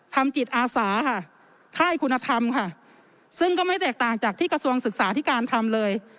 ทำจิตอาสาค่ะค่ายคุณธรรมค่ะซึ่งก็ไม่แตกต่างจากที่กระทรวงศึกษาที่การทำเลย